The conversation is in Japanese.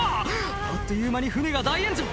あっという間に船が大炎上